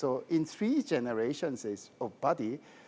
kami menempatkan truk baru